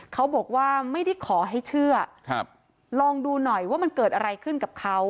เขาบอกว่าไม่ได้ขอให้เชื่อลองดูหน่อยว่ามันเกิดอะไรขึ้นกับเขา